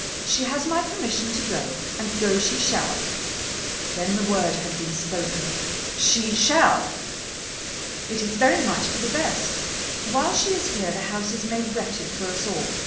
She has my permission to go; and go she shall!" Then the word had been spoken. "She shall!" "It is very much for the best. While she is here the house is made wretched for us all."